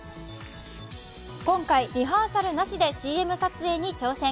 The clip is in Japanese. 今回、リハーサルなしでＣＭ撮影に挑戦。